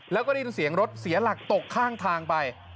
แล้วก็ได้ยินเสียงรถเสียหลักตกข้างทางไป